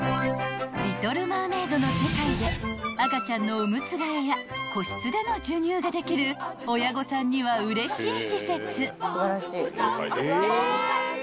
［『リトル・マーメイド』の世界で赤ちゃんのおむつ替えや個室での授乳ができる親御さんにはうれしい施設］